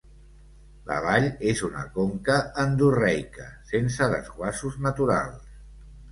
La vall és una conca endorreica, sense desguassos naturals.